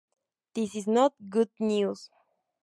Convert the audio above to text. This is not good news.